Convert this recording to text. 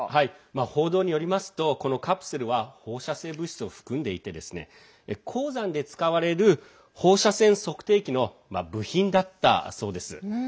報道によりますとこのカプセルは放射性物質を含んでいて鉱山で使われる放射線測定器の部品だったそうです。